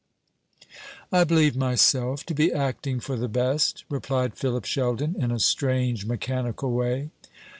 "I believed myself to be acting for the best," replied Philip Sheldon, in a strange mechanical way.